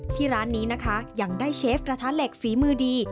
ที่ร้านนี้นะคะยังได้เชฟกระทะเหล็กฝีมือดี